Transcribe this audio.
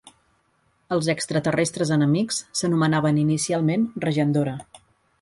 Els extraterrestres enemics s'anomenaven inicialment Rajendora.